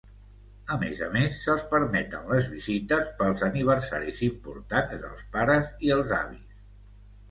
A més a més, se'ls permeten les visites pels aniversaris importants dels pares i els avis.